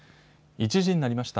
１時になりました。